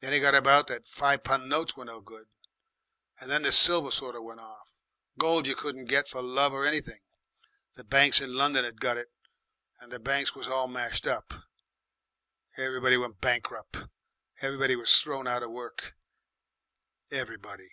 Then it got about that five pun' notes were no good, and then the silver sort of went off. Gold you 'couldn't get for love or anything. The banks in London 'ad got it, and the banks was all smashed up. Everybody went bankrup'. Everybody was thrown out of work. Everybody!"